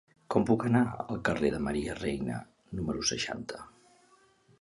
Com puc anar al carrer de Maria Reina número seixanta?